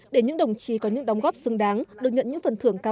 để những đồng chí có những đóng góp xứng đáng được nhận những phần thưởng cao